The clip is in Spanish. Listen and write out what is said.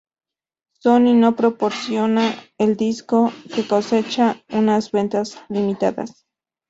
Sony no promociona el disco, que cosecha unas ventas limitadas.